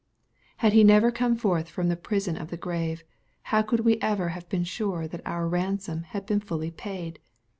Had He never come forth from the prison of the grave, how could we ever have been sure that our ransom had been fully paid